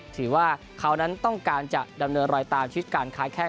ถือว่าเขานั้นต้องการจะดำเนินรอยตามชีวิตการค้าแข้ง